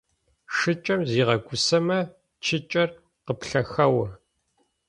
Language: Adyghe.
Шыкӏэм зигъэгусэмэ цукӏэр къыплъэхэо.